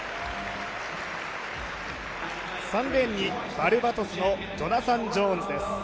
３レーンにバルバトスのジョナサン・ジョーンズです。